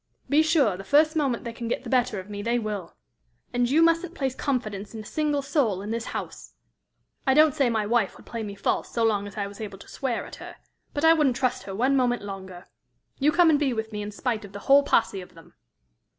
Be sure, the first moment they can get the better of me, they will. And you mustn't place confidence in a single soul in this house. I don't say my wife would play me false so long as I was able to swear at her, but I wouldn't trust her one moment longer. You come and be with me in spite of the whole posse of them."